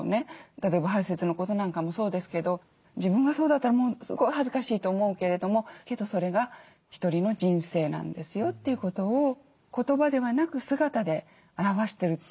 例えば排泄のことなんかもそうですけど自分がそうだったらもうすごい恥ずかしいと思うけれどもけどそれが一人の人生なんですよということを言葉ではなく姿で表してるという。